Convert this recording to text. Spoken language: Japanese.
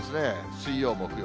水曜、木曜。